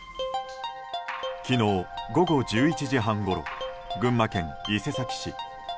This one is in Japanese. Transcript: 昨日午後１１時半ごろ群馬県伊勢崎市。